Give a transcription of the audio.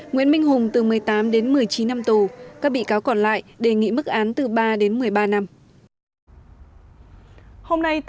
nguyễn minh hùng từ một mươi tám đến một mươi chín năm tù các bị cáo còn lại đề nghị mức án từ ba đến một mươi ba năm